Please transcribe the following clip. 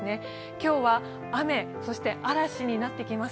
今日は雨そして嵐になってきます。